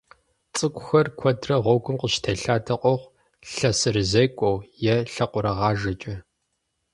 Цӏыкӏухэр куэдрэ гъуэгум къыщытелъадэ къохъу лъэсырызекӀуэу е лъакъуэрыгъажэкӏэ.